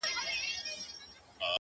سپوږمۍ د خدای روی مي دروړی!